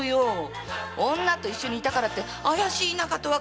女と一緒に居たからって怪しい仲とは限らないだろ？